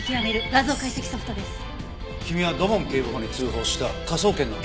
君は土門警部補に通報した科捜研の研究員か？